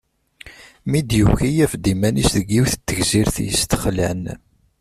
Mi d-yuki, yaf-d iman-is deg yiwet n tegzirt yestexlan.